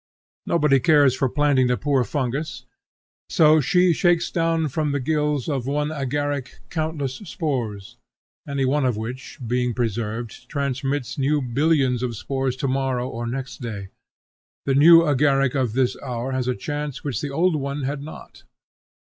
Nobody cares for planting the poor fungus; so she shakes down from the gills of one agaric countless spores, any one of which, being preserved, transmits new billions of spores to morrow or next day. The new agaric of this hour has a chance which the old one had not.